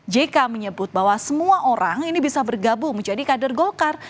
jk menyebut bahwa semua orang ini bisa bergabung menjadi kader golkar